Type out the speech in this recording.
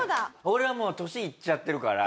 俺はもう年いっちゃってるから。